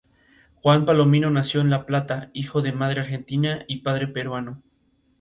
Cuenta con una corteza de color marrón rojizo, con hojas compuestas brillantes.